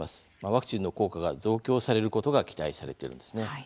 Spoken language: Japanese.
ワクチンの効果が増強されることが期待されているんですね。